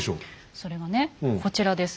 それはねこちらです。